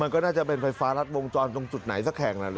มันก็น่าจะเป็นไฟฟ้ารัดวงจรตรงจุดไหนสักแห่งนั้น